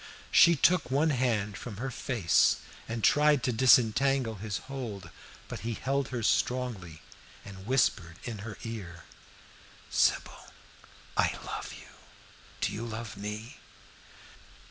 She took one hand from her face and tried to disentangle his hold, but he held her strongly, and whispered in her ear, "Sybil, I love you do you love me?"